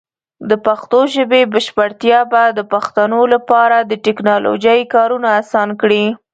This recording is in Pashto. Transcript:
د پښتو ژبې بشپړتیا به د پښتنو لپاره د ټیکنالوجۍ کارونه اسان کړي.